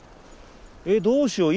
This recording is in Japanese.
えどうしよう。